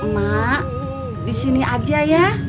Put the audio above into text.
mak disini aja ya